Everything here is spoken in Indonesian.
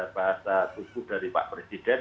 bahasa susu dari pak presiden